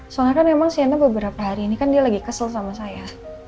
soalnya kan emang siana beberapa hari ini kan dia lagi kesel sama saya